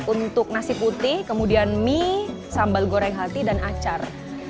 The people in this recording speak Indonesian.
untuk nasi putih kemudian mie sambal goreng hati dan acar